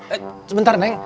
eh sebentar neng